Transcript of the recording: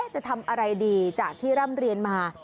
จะทำอะไรดีจากที่ร่ำเรียนมา